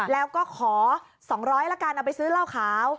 แล้วก็ขอ๒๐๐ละกันเอาไปซื้อเหล้าขาว